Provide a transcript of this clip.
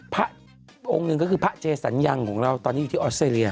พระองค์หนึ่งก็คือพระเจสัญญังของเราตอนนี้อยู่ที่ออสเตรเลีย